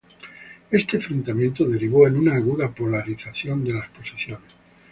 Este enfrentamiento derivó en una aguda polarización de las posiciones.